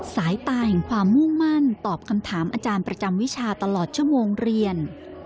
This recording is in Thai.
สายตาแห่งความมุ่งมั่นตอบคำถามอาจารย์ประจำวิชาตลอดชั่วโมงเรียน